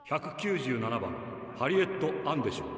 １９７番ハリエッド・アンデション。